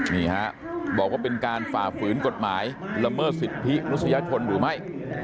นี่ฮะบอกว่าเป็นการฝ่าฝืนกฎหมายละเมิดสิทธิมนุษยชนหรือไม่